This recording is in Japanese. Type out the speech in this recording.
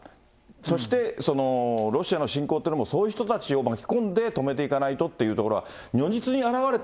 そして、ロシアの侵攻っていうのも、そういう人たちを巻き込んで止めていかないとというところが如実